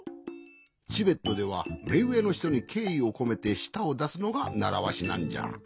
チベットではめうえのひとにけいいをこめてしたをだすのがならわしなんじゃ。